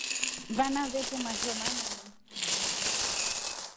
Vana vete mashoma nai.